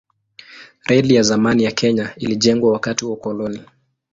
Reli ya zamani ya Kenya ilijengwa wakati wa ukoloni.